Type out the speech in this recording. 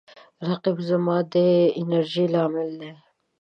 رقیب زما د انرژۍ لامل دی